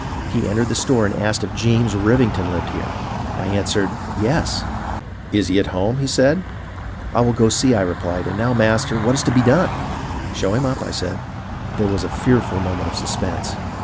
He entered the store and asked if James Rivington lived here. I answered, " Yes." " Is he at home .*" he said. " I will go and see," I replied ; and now, master, what is to be done .'''' Show him up,' I said. There was a fearful moment of suspense.